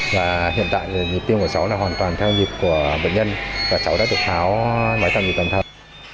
và hiện tại nhịp tim của cháu là hoàn toàn theo nhịp của bệnh nhân và cháu đã được tháo máy tạo nhịp tạm thời